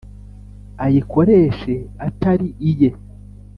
ayikoreshe atari iye .